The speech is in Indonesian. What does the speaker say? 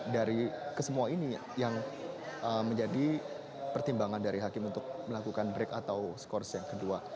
dari kesemua ini yang menjadi pertimbangan dari hakim untuk melakukan break atau skors yang kedua